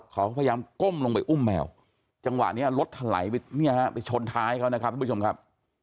เขาก็พยายามก้มลงไปอุ้มแมวจังหวะนี้รถไหลไปชนท้ายเขานะครับท่านผู้ชมครับ